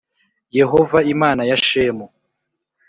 Yehova imana ya shemu